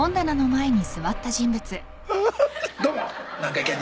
「どうも」